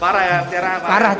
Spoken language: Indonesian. parah ya tiara apa